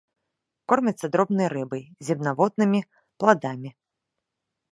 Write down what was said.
Кормяцца дробнай рыбай, земнаводнымі, пладамі.